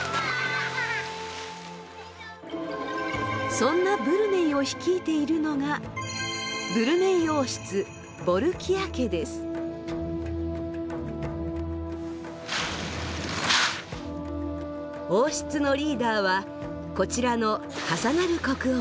そんなブルネイを率いているのがブルネイ王室王室のリーダーはこちらのハサナル国王。